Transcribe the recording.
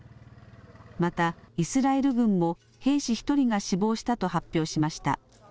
また、イスラエル軍も兵士１人が死亡したと発表しました。